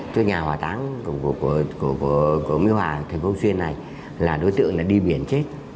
chỗ nhà hỏa táng của mỹ hòa thành phố xuyên này là đối tượng đã đi biển chết